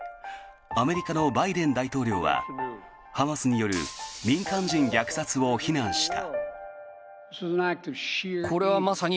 アメリカのバイデン大統領はハマスによる民間人虐殺を非難した。